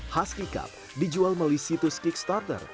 husky cup dijual melalui situs kickstarter